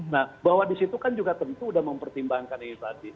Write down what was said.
nah bahwa disitu kan juga tentu sudah mempertimbangkan ini tadi